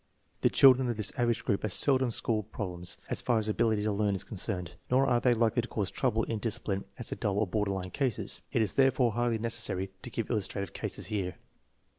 The children of this average group are seldom school problems, as far as ability to. learn is concerned. Nor are they as likely to cause trouble in discipline as the dull and border line cases. It is therefore hardly necessary to give illustrative cases here.